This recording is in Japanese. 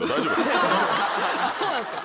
そうなんですか？